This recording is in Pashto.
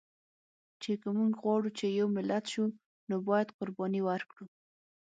چې که مونږ غواړو چې یو ملت شو، نو باید قرباني ورکړو